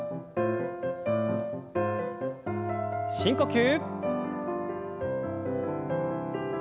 深呼吸。